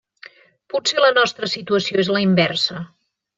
Potser la nostra situació és la inversa.